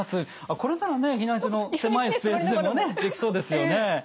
これならね避難所の狭いスペースでもねできそうですよね。